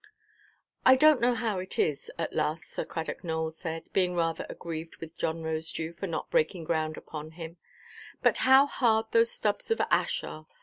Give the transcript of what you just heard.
"I donʼt know how it is," at last Sir Cradock Nowell said, being rather aggrieved with John Rosedew for not breaking ground upon him—"but how hard those stubs of ash are!